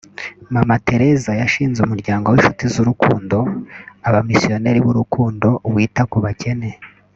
Mama Tereza yashinze umuryango w’inshuti z’urukundo (abamisiyoneri b’Urukundo) wita ku bakene